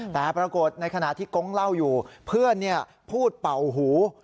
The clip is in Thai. แต่ปรากฏในขณะที่ก๊งเล่าอยู่เพื่อนพูดเป่าหู